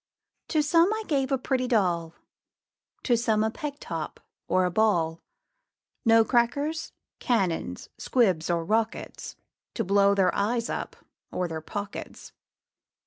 To some I gave a pretty doll, To some a peg top, or a ball; No crackers, cannons, squibs, or rockets, To blow their eyes up, or their pockets.